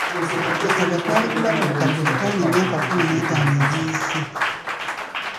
Ettaka twaligula ku bukadde butaano emyaka kkumi n'etaano egiyise.